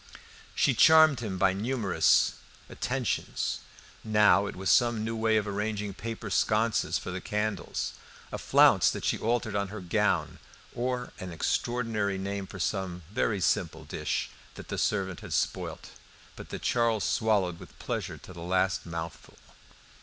She charmed him by numerous attentions; now it was some new way of arranging paper sconces for the candles, a flounce that she altered on her gown, or an extraordinary name for some very simple dish that the servant had spoilt, but that Charles swallowed with pleasure to the last mouthful.